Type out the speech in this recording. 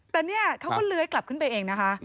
แต่เนี่ยเขาก็เลื้อยกลับขึ้นไปเองนะคะ